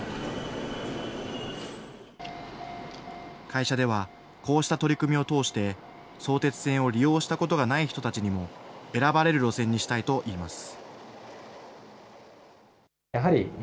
会社では、こうした取り組みを通して、相鉄線を利用したことがない人たちにも選ばれる路線にしたいといいます。